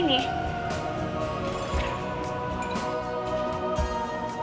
bunga ini punya saya sekarang